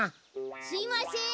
すいません！